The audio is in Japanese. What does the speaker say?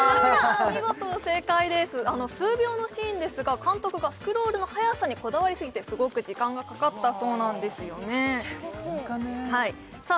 お見事正解です数秒のシーンですが監督がスクロールの速さにこだわりすぎてすごく時間がかかったそうなんですよねさあ